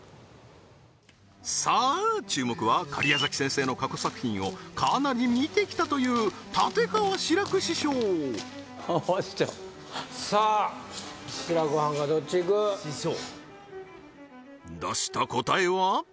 さあ注目は仮屋崎先生の過去作品をかなり見てきたという立川志らく師匠おおー師匠さあ志らくはんがどっち行く？出した答えは？